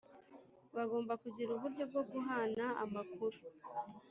bagomba kugira uburyo bwo guhana amakuru